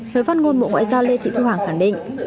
người phát ngôn bộ ngoại giao lê thị thu hằng khẳng định